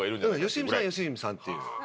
良純さんは良純さんっていう。